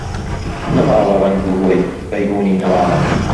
نەماوە ڕەنگ و بۆی بەیبوونی نواڵە